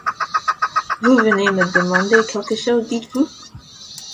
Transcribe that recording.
Vous venez me demander quelque chose, dites-vous ?